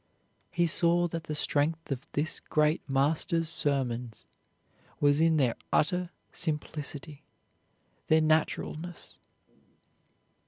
He saw that the strength of this great Master's sermons was in their utter simplicity, their naturalness.